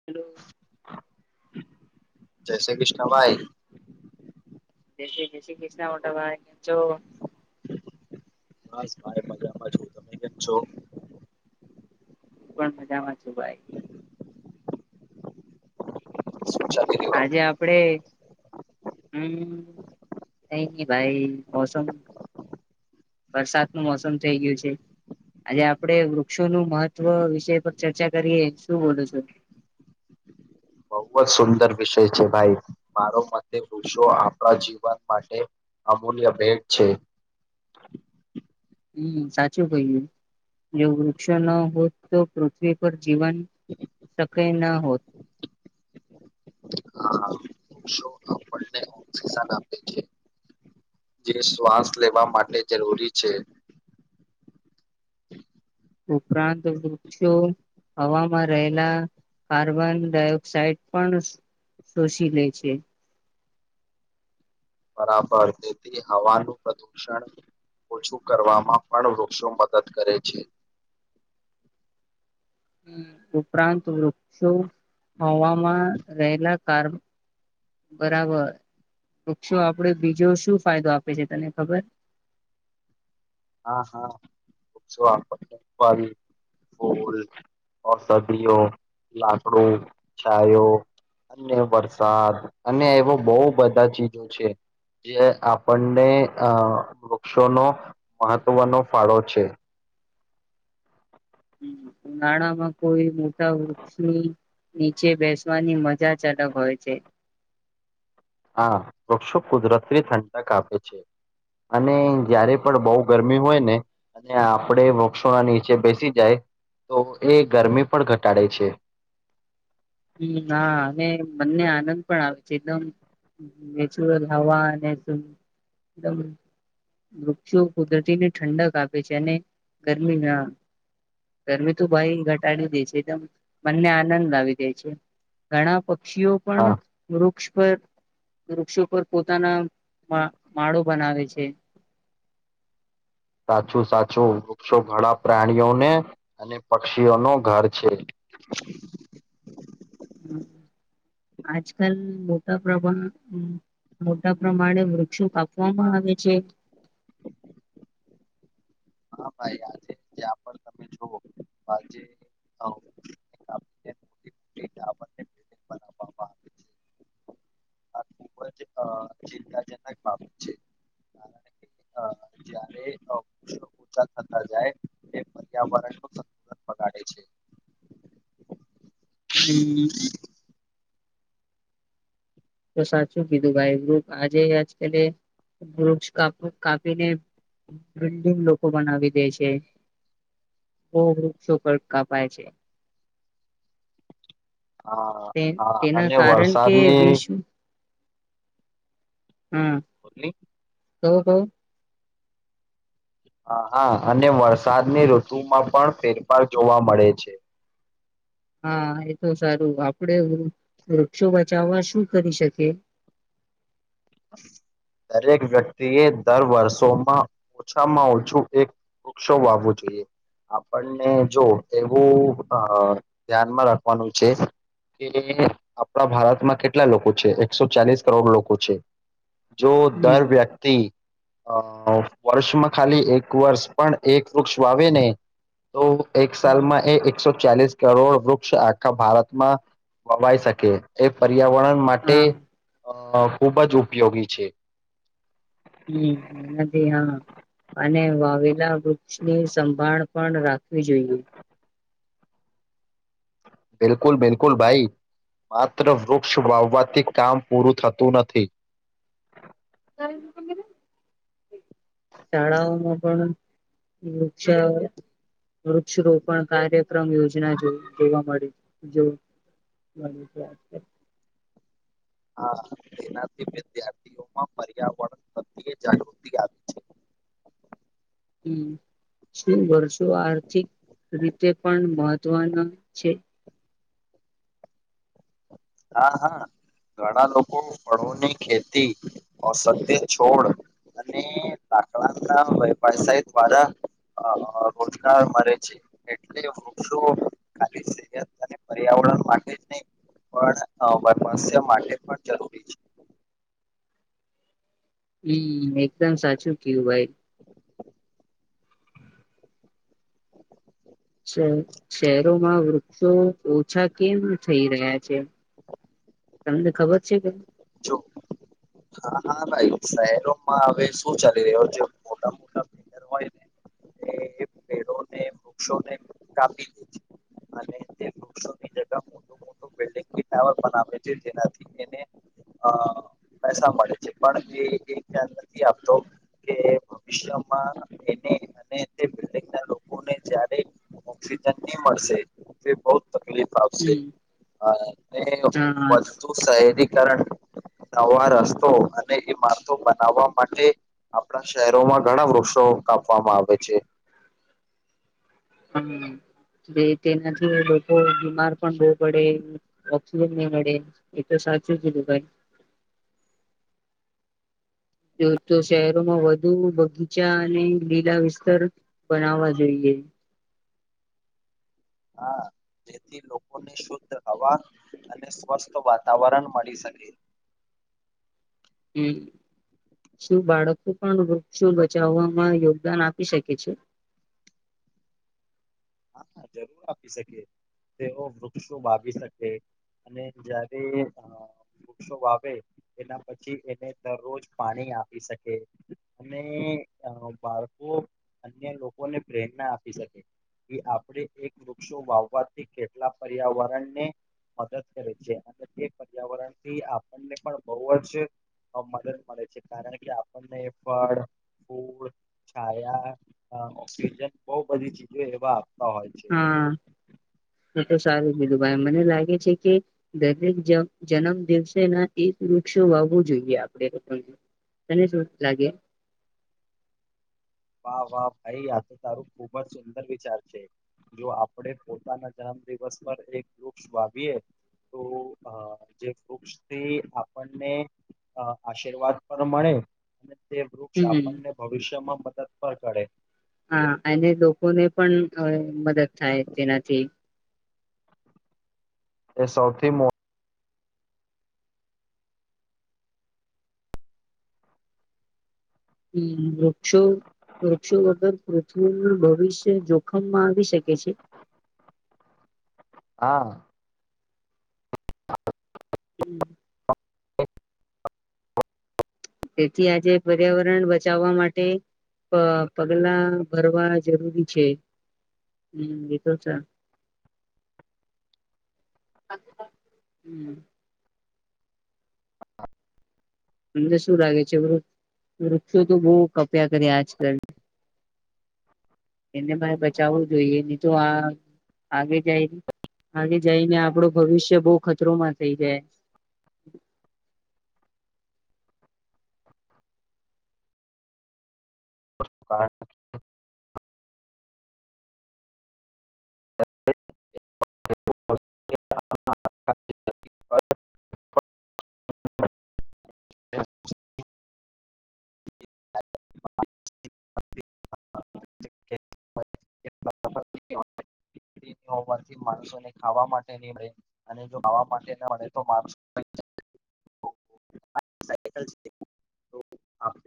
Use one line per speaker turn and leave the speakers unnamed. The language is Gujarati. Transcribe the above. હલો.
જય શ્રી કૃષ્ણ ભાઈ.
જય શ્રી કૃષ્ણ
હલો
મોટા ભાઈ કેમ છો.
બસ ભાઈ મજામાં છું તમે કે છો.
પણ મજામાં છું ભાઈ.
[unintelligible]
આજે આપડે. હમ થેંક્યૂ ભાઈ મોસમ. વરસાદ નું મોસમ થઇ ગયું છે. આજે આપડે વૃક્ષોનું મહત્વ વિષય પર ચર્ચા કરીએ શું બોલો છો.
બહુ જ સુંદર વિષય છે ભાઈ મારો મતે વૃક્ષો આપણા જીવન માટે. અમૂલ્ય ભેટ છે.
હમ સાચું કહ્યું જો વૃક્ષ ન હોત તો પૃથ્વી પર જીવન. શક્ય ના હોત.
હા હા. શો. ઓક્સિજન આપે છે. જે શ્વાસ લેવા માટે જરૂરી છે.
ઉપરાંત વૃક્ષો. હવામાં રહેલા કાર્બન ડાયોક્સાઇડ પણ. શોષી લે છે.
બરાબર તેથી હવાનું પ્રદુષણ. ઓછું કરવામાં પણ વૃક્ષો મદદ કરે છે.
હમ ઉપરાંત વૃક્ષો હવામાં રહેલા કાર. બરાબર વૃક્ષો આપડે બીજો શું ફાયદો આપે છે તને ખબર.
હા હા વૃક્ષો આપડને આવી. ફૂલ ઔષધિઓ લાકડું છાંયો. અને વરસાદ અને એવો બહુ બધા ચીજો છે. જે આપણને અ વૃક્ષોનો મહત્વનો ફાળો છે.
ઉનાળા માં કોઈ મોટા વૃક્ષની. નીચે બેસવાની મજા જ અલગ હોય છે.
હા વૃક્ષો કુદરતી ઠંડક કાપે છે. અને જયારે પણ બહુ ગરમી હોય ને. અને આપણેે વૃક્ષો ના નીચે બેસી જાય તો એ ગરમી પણ ઘટાડે છે.
હમ હા અને મનને આનંદ પણ આપે છે એકદમ. નેચુરલ હવા અને એમ એકદમ. વૃક્ષો કુદરતીને ઠંડક આપે છે અને ગરમીમાં. ગરમી તું ભાઈ ઘટાડી દે છે એકદમ મનને આનંદ આવી. જાય છે ઘણા પક્ષીઓ પણ.
હા
વૃક્ષ પર વૃક્ષો પર પોતાના માં માળો બનાવે છે.
સાચું સાચું વૃક્ષો ઘણા પ્રાણીઓને અને પક્ષીઓ નું ઘર છે. [inaudible]
હમ આજકાલ મોટા પ્રમાણ હમ. મોટા પ્રમાણે વૃક્ષો કાપવામાં આવે છે.
હા ભાઈ યા છે. ત્યાં પણ તમે જુઓ. આજે. અ, કાપીને મોટી મોટી ટાવરને બિલ્ડિંગ બનાવવામાં આવે છે આ ખૂબ જ અ, બાબત છે. હા જય્યારે થતા જાય. ત્યાં વરષો વગાડે છે.
હમ્મ તો સાચું કીધું ભાઈ ગ્રુપ આજે આજકાલે ગુપાપ કાપીને બિલ્ડિંગ લોકો બનાવી દે છે બહ વૃક્ષોકડ કાપાય છે.
હા હા
તેના
અને
કારણ કે
વરસાદની
વશ્ હમ્મ
બોલ્લી
કો કો
હ હા અને વરસાદની ઋતુમાં પણ ફેરફાર જોવા મળે છે.
હા એ તો સારું આપડે વૃક્ષો બચાવવા શું કરી શકીએ
દરેક વ્યક્તિ એ દર વર્ષોમાં ઓછામાં ઓછું એક વૃક્ષો વાવવો જોઈએ. આપણને જો એવું ધ્યાનમાં રાખવાનું છે. કે આપણા ભારતમાં કેટલા લોકો છે એકસો ચાલીસ કરોડ લોકો છે. જો દર
હમ
વ્યક્તિ અ વર્ષમાં ખાલી એક વર્ષ પણ એક વૃક્ષ વાવે ને તો એક
હમ
સાલમાં એ એકસો ચાલીસ કરોડ વૃક્ષ આખા ભારતમા વવાઈ શકે એ પર્યાવરણ માટે
હા
અ ખૂબ જ ઉપયોગી છે.
હમ એનાદી હા અને વાવેલા વૃક્ષની સંભાળ પણ રાખવી જોઈએ.
બિલકુલ બિલકુલ ભાઈ માત્ર વૃક્ષ વાવવાથી કામ પૂરું થતું નથી.
ગ વગેરે શાળાઓમાં પણ વૃક્ષ વૃક્ષ રોપણ કાર્ય મ યોજના જોવા મળી મળ
હા તેનાથી વિદ્યાર્થીઓમાં પર્યાવરણ પ્રત્યે જાગૃત
હમ શું વર્ષો આર્થિક રીતે પણ મહત્વના છે.
હા હા ઘણા લોકો ફળોની ખેતી ઔસધ્ય છોડ. અને લાકડા ના વેપાર સાહ દ્વારા રોજગાર મળે છે. એટલે વૃક્ષો ખાલી સહત અને પર્યાવરણ માટે જ નહી પણપસ્ય માટે પણ જરૂરી છે.
હમ એકદમ સાચું કયું ભાઈ
[inaudible]
છે. શહેરોમાં વૃક્ષો ઓછા કેમ થઈ રહ્યા છે તમને ખબર છે કે
જો હા હા ભાઈ શહેરોમાં હવે શું ચાલી રહ્યો છે. મોટા મોટા બિલ્ડર હોય ને એ પેડોને વૃક્ષોને કાપી દીધ અને તે વૃક્ષોની જ ર છે જેનાથી. અ પૈસા મળે છે પણ એ એક ધ્યાન નથી આપતો કે ભવિષ્યમાં એને અને તે [inaudible] જ ઓક્સિજન નહી મળશે બહ તકલીફ આપશે એ
હા
શહેરીકરણ નવા રસ્તો અને ઈમારતો બનાવવા માટે આપણા શહેરોમાં ઘણા વૃક્ષો કાપવામાં આવે છે.
હમમ બે તેનાથી લોકો બીમાર પણ બો પડે અ જોવા જ ની મળે એ તો સાચું જ કીધું ભાઈ. જો તો શહેરોમાં વધુ બગીચા અને લીલા વિસ્તાર બનાવા જોઈએ.
હા જેથી લોકોની શુદ્ધ હવા અને સ્વસ્થ વાતાવરણ મળી શકે.
હમમ. શું બાળકો પણ વૃક્ષો બચાવવામાં યોગદાન આપી શકે છે?
હા, જરૂર આપી શકે. તેઓ વૃક્ષો વાવી શકે અને જયારે વૃક્ષો વાવે એના પછી એને દરરોજ પાણી આપી શકે. અને બાળકો અન્ય લોકોને પ્રેરણા આપી શકે. કે આપણે એક વૃક્ષો વાવવાથી કેટલા પર્યાવરણને મદદ કરે છે અને તે પર્યાવરણથી આપણને પણ બોવ જ અ, મદદ મળે છે કારણ કે આપણને ફળ, ફૂલ છાયા અ ઓક્સિજન બો બધી ચીજે એવા હોય છે
હા, એ તો સારું કીધું ભાઈ મને લાગે છે કે દરેક જમ જન્મ દિવસેના એક વૃક્ષો વાવવું જોઈએ આપડે પણ. તને શું લાગે?
વાહ વાહ, ભાઈ આ તો તારું ખુબ જ સુંદર વિચાર છે. જો આપડે પોતાના જન્મ દિવસ પર એક વૃક્ષ વાવીએ. તો અ જે વૃક્ષથી આપણને અ આશીર્વાદ પણ મળે. તે વૃક્ષ
હમ
આપણને ભવિષ્યમાં મદદ પણ કરે.
હા અને લોકોને પણ અ મદદ થાય તેનાથી.
એ સૌથી મો
હમમ વૃક્ષો વૃક્ષો વગર પૃથ્વીનું ભવિષ્ય જોખમમાં આવી શકે છે.
હા.
હમમ. તેથી આજે પર્યાવરણ બચાવવા માટે પ પગલા ભરવા જરૂરી છે. હમમ એતો છે. હમમ. તમને શું લાગે છે વૃક્ષ વૃક્ષો તો બો કપ્યા કરે આજકલ. એને મારે બચાવવું જોઈએ ની તો આ આગે જાય ને આગે જઈને આપડો ભવિષ્ય બો ખતરોમાં થઇ જાય.
[unintelligible]
[inaudible] [inaudible]
[unintelligible]
[inaudible]
કે
[inaudible]
ન હોવાથી માણસોને ખાવા માટેની રેય. અને જો ખાવા માટે ના હોય તો માણસો [unintelligible]
[inaudible]
[unintelligible] સાયકલ છે તે.